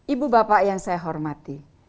ibu bapak yang saya hormati